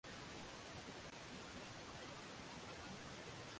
fursa mpya ya kufanya biashara pamoja na